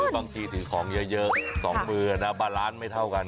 บางทีถือของเยอะ๒มือนะบาร้านไม่เท่ากัน